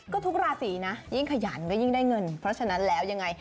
ก็ทุกราศีนะยิ่งขยันก็ยิ่งได้เงินเพราะฉะนั้นแล้วยังไง